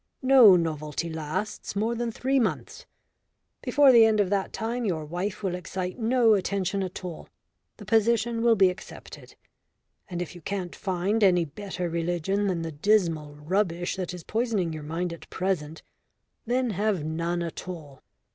No novelty lasts more than three months. Before the end of that time your wife will excite no attention at all the position will be accepted. And if you can't find any better religion than the dismal rubbish that is poisoning your mind at present, then have none at all.